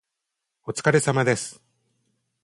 お疲れ様です